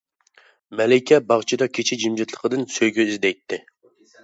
مەلىكە باغچىدا كېچە جىمجىتلىقىدىن سۆيگۈ ئىزدەيتتى.